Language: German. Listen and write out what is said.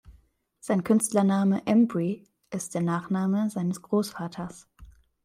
Sein Künstlername "Embry" ist der Nachname seines Großvaters.